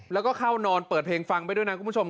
แล้วก็เข้านอนเปิดเพลงฟังไปด้วยนะคุณผู้ชม